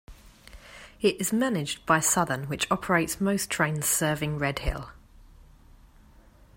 It is managed by Southern, which operates most trains serving Redhill.